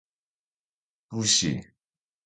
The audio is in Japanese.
武士